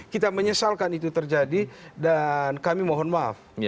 kita menyesalkan itu terjadi dan kami mohon maaf